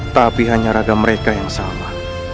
tapi hanya raga mereka yang sama